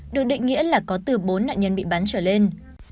được định nghĩa là có từ bốn nạn nhân bị bắn trở lên